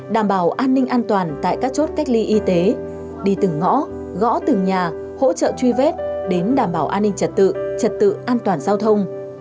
đảm bảo an ninh an toàn tại các chốt cách ly y tế đi từng ngõ gõ từng nhà hỗ trợ truy vết đến đảm bảo an ninh trật tự trật tự an toàn giao thông